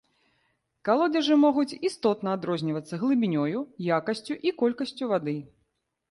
Калодзежы могуць істотна адрознівацца глыбінёю, якасцю і колькасцю вады.